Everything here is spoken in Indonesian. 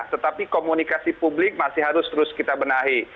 tetapi komunikasi publik masih harus terus kita benahi